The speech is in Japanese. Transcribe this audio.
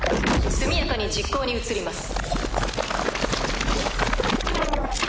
速やかに実行に移ります。